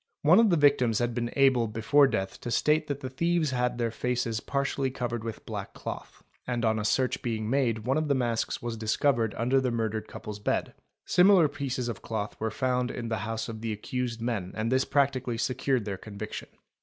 One of the victims had been able | before death to state that the thieves had their faces partially covered with black cloth, and on a search being made one of the masks was discovered under the murdered couple's bed. Similar pieces of cloth were found in the house of the accused men and this practically secured their conviction.